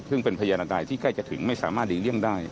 ซึ่งเป็นพยานอันใดที่ใกล้จะถึงไม่สามารถหลีกเลี่ยงได้